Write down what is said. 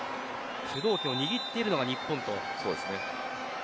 主導権を握っているのは日本と。